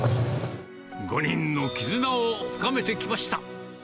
５人の絆を深めてきました。